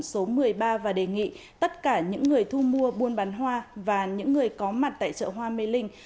số một mươi ba và đề nghị tất cả những người thu mua buôn bán hoa và những người có mặt tại chợ hoa mê linh